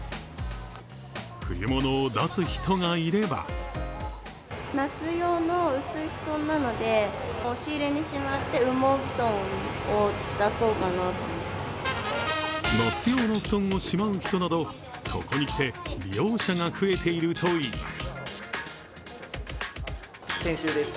冬物を出す人がいれば夏用の布団をしまう人などここにきて、利用者が増えているといいます。